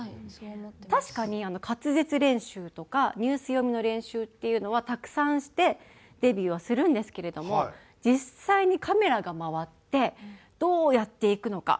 確かに滑舌練習とかニュース読みの練習っていうのはたくさんしてデビューをするんですけれども実際にカメラが回ってどうやっていくのか。